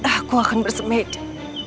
aku akan bersemedi